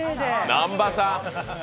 南波さん！